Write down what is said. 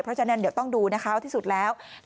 เพราะฉะนั้นเดี๋ยวต้องดูนะคะว่าที่สุดแล้ว